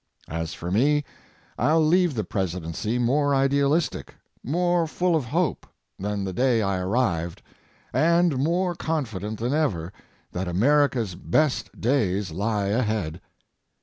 As for me, I'll leave the presidency more idealistic, more full of hope, than the day I arrived and more confident than ever that America's best days lie ahead.